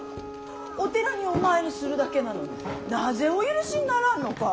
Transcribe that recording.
お寺にお参りするだけなのになぜお許しにならんのか。